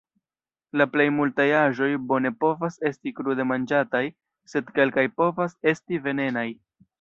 La plej multaj aĵoj bone povas esti krude manĝataj, sed kelkaj povas esti venenaj.